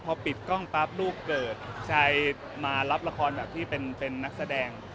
พอปิดกล้องปั๊บลูกเกิดชายมารับละครแบบที่เป็นนักแสดง